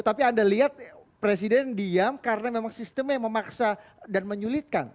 tapi anda lihat presiden diam karena memang sistemnya memaksa dan menyulitkan